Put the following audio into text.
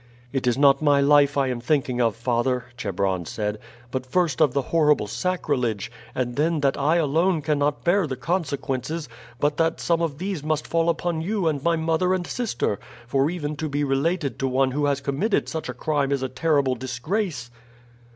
"It is not my life I am thinking of, father," Chebron said, "but first of the horrible sacrilege, and then that I alone cannot bear the consequences, but that some of these must fall upon you and my mother and sister; for even to be related to one who has committed such a crime is a terrible disgrace."